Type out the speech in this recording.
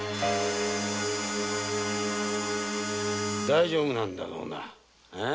大丈夫なんだろうな